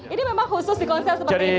ini memang khusus di konser seperti itu ya pak